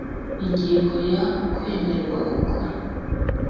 ingingo ya kwemererwa gukora